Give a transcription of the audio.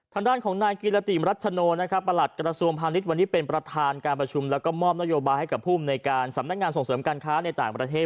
ทางด้านของนายกิรติมรัชโนนะครับประหลัดกระทรวงพาณิชย์วันนี้เป็นประธานการประชุมแล้วก็มอบนโยบายให้กับภูมิในการสำนักงานส่งเสริมการค้าในต่างประเทศ